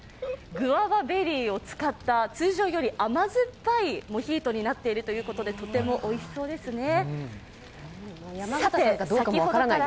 グアバベリーを使った通常より甘酸っぱいモヒートになっているということでとてもおいしそうですね。